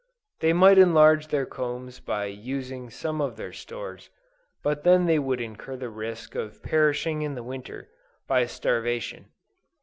They might enlarge their combs by using some of their stores; but then they would incur the risk of perishing in the winter, by starvation.